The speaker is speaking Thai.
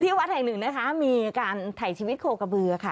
วัดแห่งหนึ่งนะคะมีการถ่ายชีวิตโคกระบือค่ะ